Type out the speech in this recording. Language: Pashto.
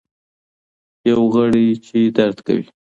یو غړی چي درد کوي.